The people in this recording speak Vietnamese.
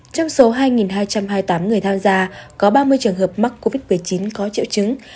trong số hai hai trăm hai mươi tám người tham gia có ba mươi trường hợp mắc covid một mươi chín có triệu chứng